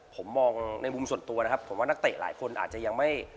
ผมมองในมุมส่วนตัวนะครับผมว่านักเตะหลายคนอาจจะยังไม่